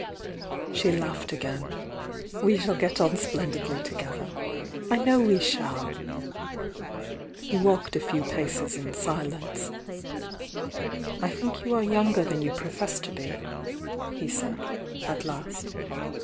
She laughed again. "We shall get on splendidly together, — I know we shall!" He walked a few paces in silence. "I think you are younger than you profess to be," he said, at last.